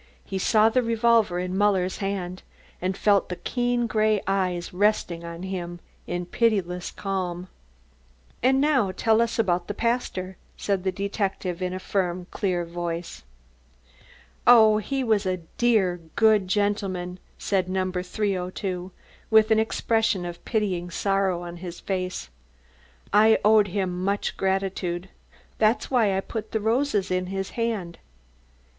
He saw the revolver in Muller's hand and felt the keen grey eyes resting on him in pitiless calm. "And now tell us about the pastor?" said the detective in a firm clear voice. "Oh, he was a dear, good gentleman," said No. 302 with an expression of pitying sorrow on his face. "I owed him much gratitude; that's why I put the roses in his hand."